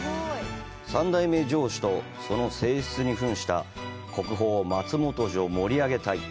３代目城主とその正室に扮した国宝松本城盛り上げ隊。